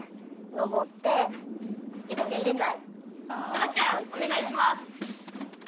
菜奈ちゃんお願いします！